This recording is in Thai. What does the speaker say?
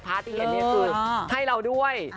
ที่เห็นนี่คือให้เราด้วย